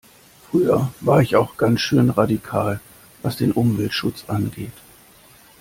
Früher war ich auch ganz schön radikal was den Umweltschutz angeht.